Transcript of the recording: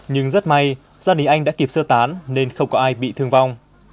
nhưng rất may gia đình anh đã kịp sơ tán nên không có ai bị thương vong